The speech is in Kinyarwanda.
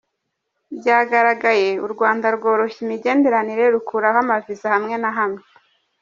Byagaragaye U Rwanda rworoshya imigenderanire, rukuraho ama viza hamwe na hamwe.